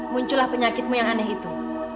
muncullah penyakitmu yang aneh itu